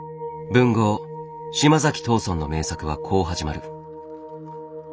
文豪島崎藤村の名作はこう始まる。